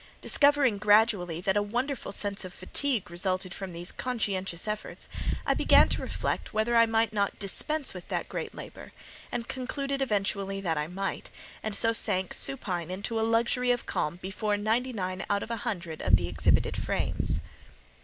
Discovering gradually that a wonderful sense of fatigue resulted from these conscientious efforts, I began to reflect whether I might not dispense with that great labour, and concluded eventually that I might, and so sank supine into a luxury of calm before ninety nine out of a hundred of the exhibited frames.